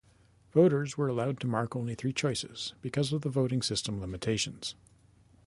Voters were allowed to mark only three choices because of voting system limitations.